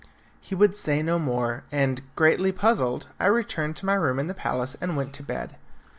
He would say no more, and, greatly puzzled, I returned to my room in the palace and went to bed.